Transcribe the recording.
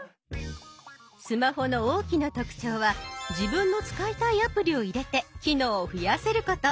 スマホの大きな特徴は自分の使いたいアプリを入れて機能を増やせること。